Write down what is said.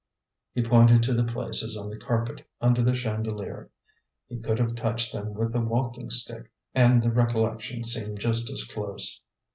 He pointed to the places on the carpet, under the chandelier; he could have touched them with a walking stick, and the recollection seemed just as close.